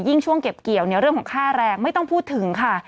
ช่วงเก็บเกี่ยวเรื่องของค่าแรงไม่ต้องพูดถึงค่ะ